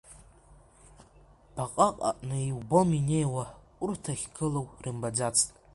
Баҟак аҟны иубом инеиуа, урҭ ахьгылоу рымбаӡацт.